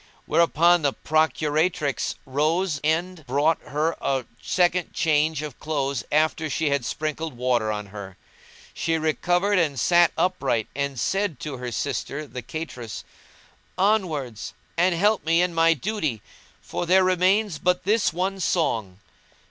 Thereupon the procuratrix rose end brought her a second change of clothes after she had sprinkled water on her. She recovered and sat upright and said to her sister the cateress, "Onwards, and help me in my duty, for there remains but this one song."